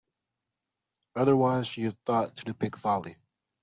Otherwise, she is thought to depict folly.